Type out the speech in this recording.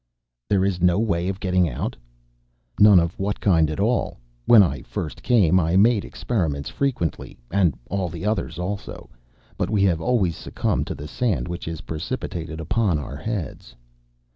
"There is no way of getting out?" "None of what kind at all. When I first came I made experiments frequently and all the others also, but we have always succumbed to the sand which is precipitated upon our heads."